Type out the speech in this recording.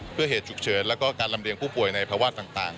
เพื่อเหตุฉุกเฉินแล้วก็การลำเรียงผู้ป่วยในภาวะต่าง